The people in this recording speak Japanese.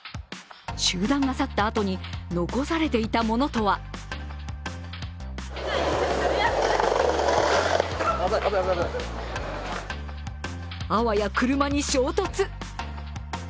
集団が去ったあとに残されていたものとはあわや車に衝突。